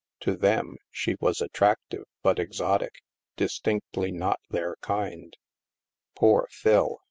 To them, she was attractive but exotic — distinctly not their kind. Poor Phil